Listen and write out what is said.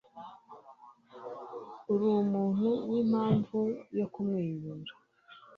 Urumuntu wimpamvu yo kumwenyura.